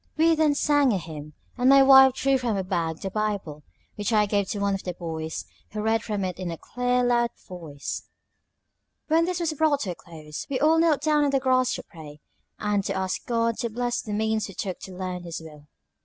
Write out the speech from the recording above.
We then sang a hymn; and my wife drew from her bag the BIBLE, which I gave to one of the boys, who read from it in a clear, loud voice. When this was brought to a close, we all knelt down on the grass to pray, and to ask God to bless the means we took to learn His will.